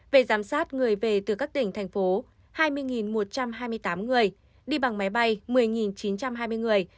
về giám sát người về từ các tỉnh thành phố hai mươi một trăm hai mươi tám người đi bằng máy bay một mươi chín trăm hai mươi người